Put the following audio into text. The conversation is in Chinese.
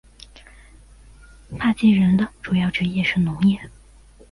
帕基人的主要职业是农业。